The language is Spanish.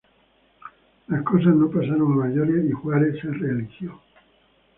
Las cosas no pasaron a mayores y Juárez se reeligió.